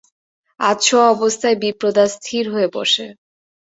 আধ-শোওয়া অবস্থায় বিপ্রদাস স্থির হয়ে বসে।